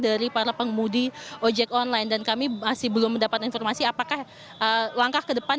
dari para pengemudi ojek online dan kami masih belum mendapat informasi apakah langkah ke depan